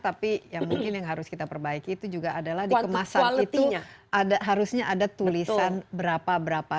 tapi ya mungkin yang harus kita perbaiki itu juga adalah di kemasan itu harusnya ada tulisan berapa berapa